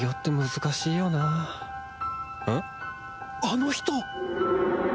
あの人！